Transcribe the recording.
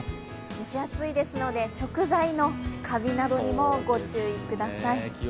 蒸し暑いですので、食材のかびなどにもご注意ください。